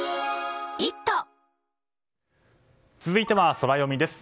続いてはソラよみです。